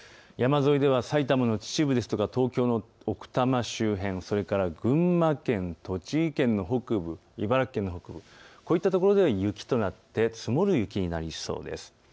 山沿いでは埼玉の秩父ですとか東京の奥多摩周辺、それから群馬県、栃木県の北部、茨城県、こういったところでは雪となって積もる雪になりそうです。